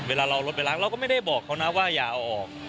เวลาเราเอารถไปล้างเราก็ไม่ได้บอกเขานะว่าอย่าเอาออก